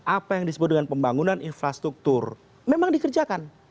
apa yang disebut dengan pembangunan infrastruktur memang dikerjakan